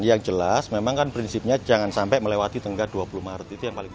yang jelas memang kan prinsipnya jangan sampai melewati tengah dua puluh maret itu yang paling